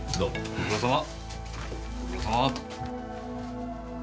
ご苦労さま。